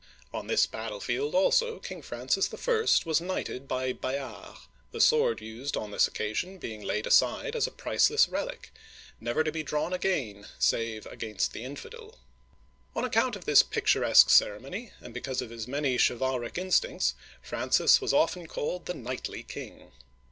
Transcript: On this battlefield, also, King Francis I. was knighted by Bayard, the sword used on this occasion being laid aside as a priceless relic, never to be drawn again save " against the infidel. On account of this picturesque ceremony, and because of his many chivalric instincts, Francis was often called "the knightly king.